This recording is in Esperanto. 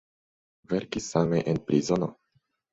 Verkis same en prizono.